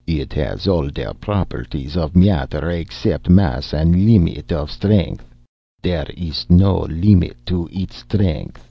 It has all der properties of matter except mass and a limit of strength. There is no limit to its strength!